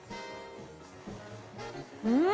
うん！